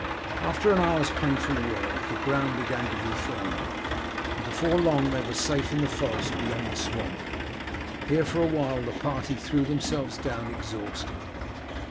After an hour's painful work the ground began to be firmer, and before long they were safe in the forest beyond the swamp. Here for a while the party threw themselves down exhausted.